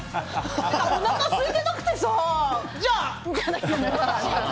おなかすいてなくてさじゃあ！みたいな。